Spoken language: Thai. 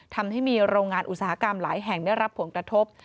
ทำให้มีโรงงานอุตสาหกรรมหลายแห่งได้รับผลกระทบ